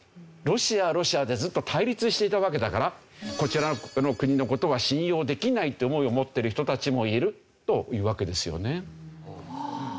ロシアはロシアでずっと対立していたわけだからこちらの国の事は信用できないっていう思いを持ってる人たちもいるというわけですよね。